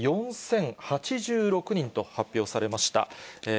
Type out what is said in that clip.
１万４０８６人と発表されました。